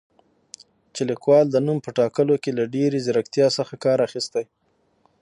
چې لیکوال د نوم په ټاکلو کې له ډېرې زیرکتیا څخه کار اخیستی